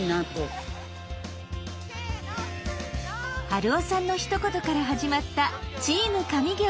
春雄さんのひと言から始まった「チーム上京！」。